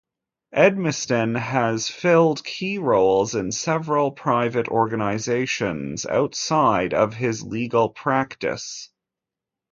Edmisten has filled key roles in several private organizations outside of his legal practice.